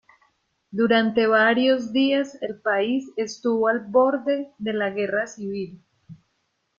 Durante varios días el país estuvo al borde de la guerra civil.